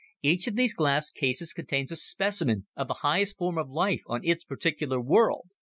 Each of these glass cases contains a specimen of the highest form of life of its particular world.